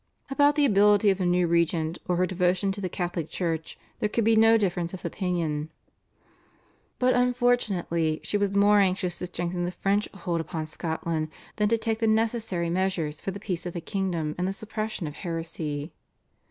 About the ability of the new regent or her devotion to the Catholic Church there could be no difference of opinion, but unfortunately she was more anxious to strengthen the French hold upon Scotland than to take the necessary measures for the peace of the kingdom and the suppression of heresy.